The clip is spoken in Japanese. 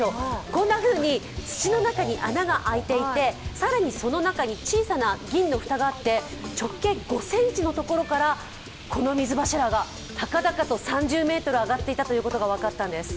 こんなふうに土の中に穴が開いていて、更にその中に小さな銀のふたがあって直径５ｃｍのところからこの水柱が高々と３０ｍ上がっていたことが分かったんです。